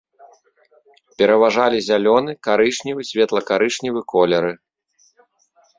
Пераважалі зялёны, карычневы, светла-карычневы колеры.